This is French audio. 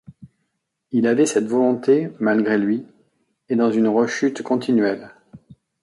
Il avait cette volonté malgré lui, et dans une rechute continuelle.